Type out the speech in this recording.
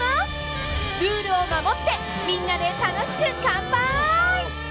［ルールを守ってみんなで楽しく乾杯！］